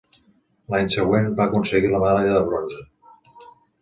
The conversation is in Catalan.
L'any següent va aconseguir la medalla de bronze.